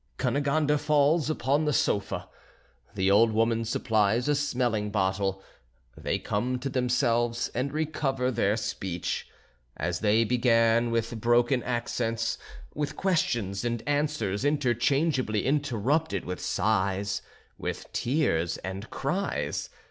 Cunegonde falls upon the sofa. The old woman supplies a smelling bottle; they come to themselves and recover their speech. As they began with broken accents, with questions and answers interchangeably interrupted with sighs, with tears, and cries.